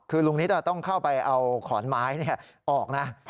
คือลุงนิตต้องเข้าไปเอาขอนไม้ออกนะ